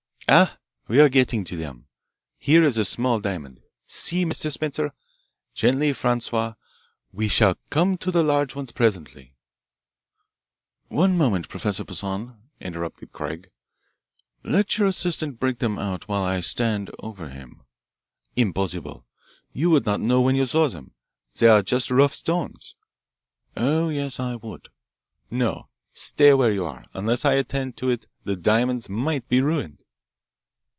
"Ah! we are getting to them. Here is a small diamond. See, Mr. Spencer gently Francois we shall come to the large ones presently." "One moment, Professor Poissan," interrupted Craig; "let your assistant break them out while I stand over him." "Impossible. You would not know when you saw them. They are just rough stones." "Oh, yes, I would." "No, stay where you are. Unless I attend to it the diamonds might be ruined."